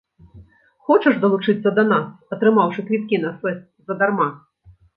Хочаш далучыцца да нас, атрымаўшы квіткі на фэст задарма?